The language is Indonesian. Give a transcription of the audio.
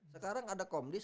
sekarang ada komdis